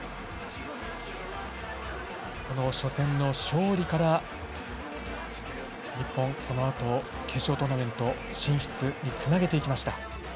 この初戦の勝利から日本、そのあと決勝トーナメント進出につなげていきました。